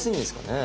ね